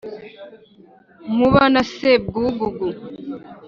Nkuba na Sebwugugu